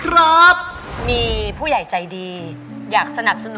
คุณแม่รู้สึกยังไงในตัวของกุ้งอิงบ้าง